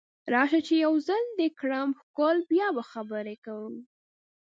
راشه چې یو ځل دې کړم ښکل بیا به خبرې کوو